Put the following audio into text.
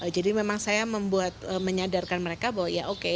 jadi memang saya membuat menyadarkan mereka bahwa ya oke